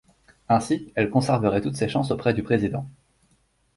Ainsi, elle conserverait toutes ses chances auprès du Président.